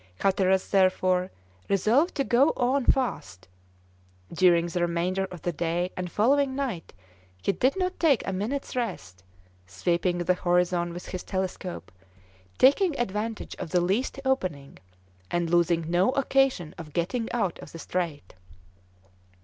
Hatteras, therefore, resolved to go on fast; during the remainder of the day and following night he did not take a minute's rest, sweeping the horizon with his telescope, taking advantage of the least opening, and losing no occasion of getting out of the strait.